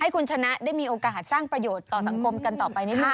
คุณชนะได้มีโอกาสสร้างประโยชน์ต่อสังคมกันต่อไปนิดนึง